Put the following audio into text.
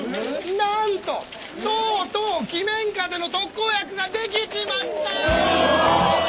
なんととうとう鬼面風邪の特効薬ができちまったよ